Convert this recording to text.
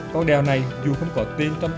con đèo này dù không có tên trong tên